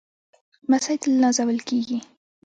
لمسی تل نازول کېږي.